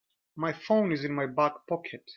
My phone is in my back pocket.